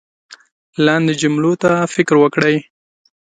لاندې جملو ته فکر وکړئ